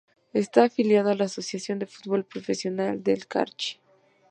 Está afiliado a la Asociación de Fútbol Profesional del Carchi.